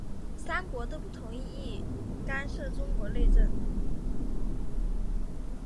三国都同意不干涉中国内政。